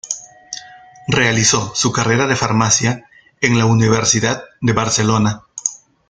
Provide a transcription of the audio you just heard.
Realizó su carrera de farmacia en la Universidad de Barcelona.